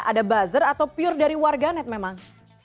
ada buzzer atau pure dari warga net memang